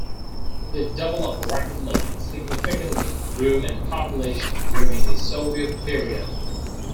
It developed rapidly and significantly grew in population during the Soviet period.